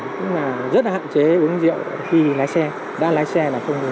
cũng là rất là hạn chế uống rượu khi lái xe đã lái xe là không uống rượu